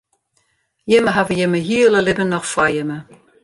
Jimme hawwe jimme hiele libben noch foar jimme.